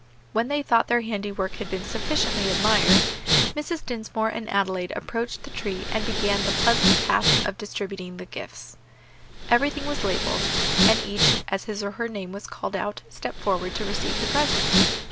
When they thought their handiwork had been sufficiently admired, Mrs. Dinsmore and Adelaide approached the tree and began the pleasant task of distributing the gifts. Everything was labelled, and each, as his or her name was called out, stepped forward to receive the present.